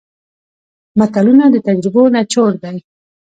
متلونه د تجربو نچوړ دی